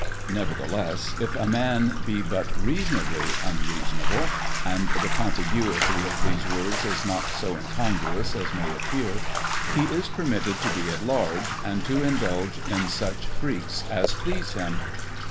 Nevertheless, if a man be but reasonably unreasonable (and the contiguity of these words is not so incongruous as may appear) he is permitted to be at large, and to indulge in such freaks as please him.